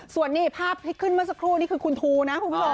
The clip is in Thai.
ส่วนภาพที่ขึ้นมาสักครู่นี่คือคุณทูนะ